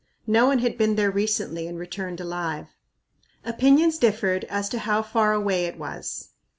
"No one had been there recently and returned alive." Opinions differed as to how far away it was.